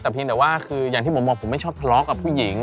แต่เพียงแต่ว่าคืออย่างที่ผมบอกผมไม่ชอบทะเลาะกับผู้หญิง